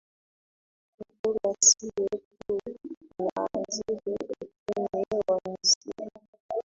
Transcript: kwa kuwa sio tu inaadhiri uchumi wa misri